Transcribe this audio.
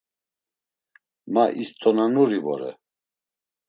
Ma İst̆onanuri vore.